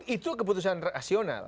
itu keputusan rasional